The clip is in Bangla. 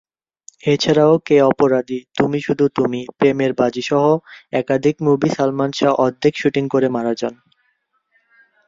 এছাড়াও "কে অপরাধী", "তুমি শুধু তুমি", "প্রেমের বাজি" সহ একাধিক মুভি সালমান শাহ অর্ধেক শুটিং করে মারা যান।